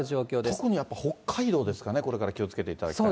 特にやっぱり北海道ですかね、これから気をつけていただきたいのは。